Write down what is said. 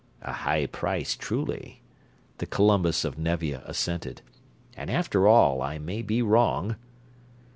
"A high price truly," the Columbus of Nevia assented, "And after all, I may be wrong."